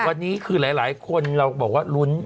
วันนี้คือหลายคนเราบอกว่าลุ้น